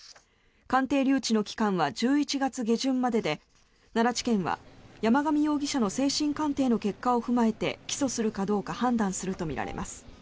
鑑定留置の期間は１１月下旬までで奈良地検は山上容疑者の精神鑑定の結果を踏まえて起訴するかどうか判断するとみられます。